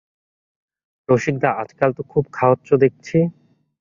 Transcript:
রসিকদা, আজকাল তো খুব খাওয়াচ্ছ দেখছি।